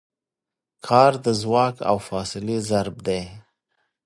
کار د ځواک او فاصلې ضرب دی.